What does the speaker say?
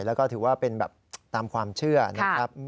แล้วก็ถือว่าเป็นแบบตามความเชื่อนะครับ